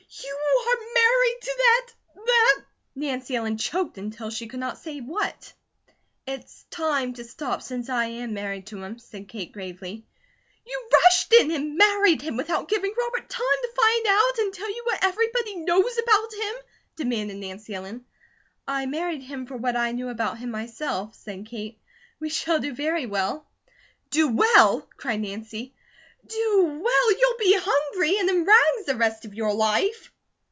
"You are married to that that " Nancy Ellen choked until she could not say what. "It's TIME to stop, since I am married to him," said Kate, gravely. "You rushed in and married him without giving Robert time to find out and tell you what everybody knows about him?" demanded Nancy Ellen. "I married him for what I knew about him myself," said Kate. "We shall do very well." "Do well!" cried Nancy. "Do well! You'll be hungry and in rags the rest of your life!"